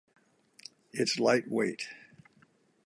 It's light weight.